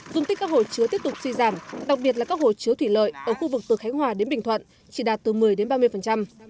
dung tích các hồ chứa tiếp tục suy giảm đặc biệt là các hồ chứa thủy lợi ở khu vực từ khánh hòa đến bình thuận chỉ đạt từ một mươi đến ba mươi